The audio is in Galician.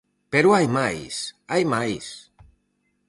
Pero hai máis, hai máis.